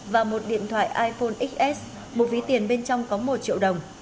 và một điện thoại iphone xs một ví tiền bên trong có một triệu đồng